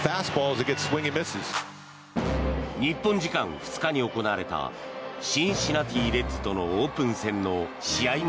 日本時間２日に行われたシンシナティ・レッズとのオープン戦の試合